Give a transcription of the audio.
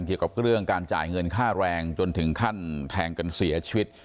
เกี่ยวกับเรื่องการจ่ายเงินค่าแรงจนถึงขั้นแทงกันเสียชีวิต